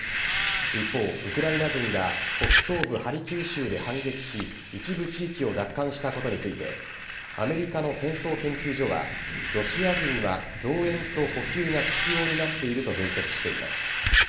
一方、ウクライナ軍が北東部・ハルキウ州で反撃し一部地域を奪還したことについてアメリカの戦争研究所はロシア軍は増援と補給が必要になっていると分析しています。